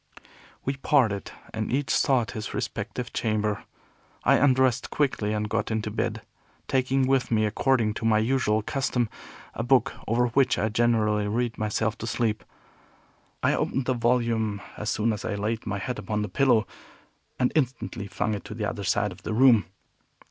We parted, and each sought his respective chamber. I undressed quickly and got into bed, taking with me, according to my usual custom, a book, over which I generally read myself to sleep. I opened the volume as soon as I had laid my head upon the pillow, and instantly flung it to the other side of the room.